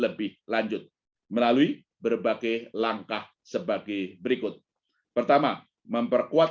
lebih lanjut melalui berbagai langkah sebagai berikut pertama memperkuat